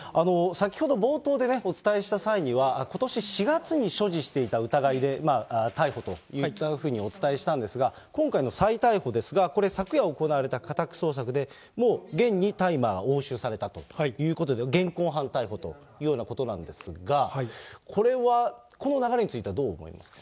先ほど、冒頭でお伝えした際には、ことし４月に所持していた疑いで、逮捕といったふうにお伝えしたんですが、今回の再逮捕ですが昨夜行われた家宅捜索で、もう現に大麻が押収されたということで、現行犯逮捕ということなんですが、これはこの流れについては、どう思いますか。